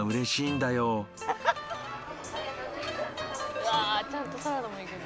「うわちゃんとサラダもいくんだ」